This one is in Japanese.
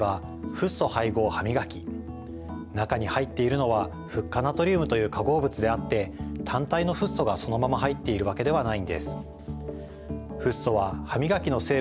例えば中に入っているのはフッ化ナトリウムという化合物であって単体のフッ素がそのまま入っているわけではないんです。